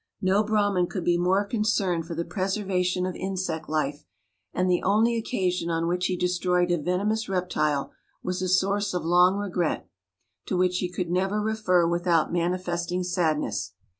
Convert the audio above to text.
No Brahman could be more concerned for the preservation of insect life, and the only occasion on which he destroyed a venomous reptile was a source of long regret, to which he could never refer without manifesting sadness.